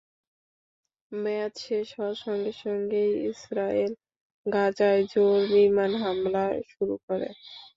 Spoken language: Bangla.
মেয়াদ শেষ হওয়ার সঙ্গে সঙ্গেই ইসরায়েল গাজায় জোর বিমান হামলা শুরু করে।